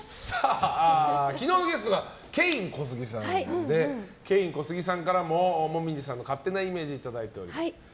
昨日のゲストがケイン・コスギさんでケイン・コスギさんからも紅葉さんの勝手なイメージいただいております。